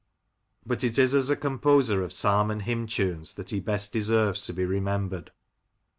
But it is as a composer of psalm and hymn tunes that he best deserves to be remembered.